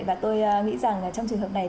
và tôi nghĩ rằng trong trường hợp này